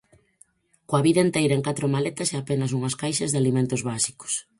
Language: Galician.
Coa vida enteira en catro maletas e apenas unhas caixas de alimentos básicos.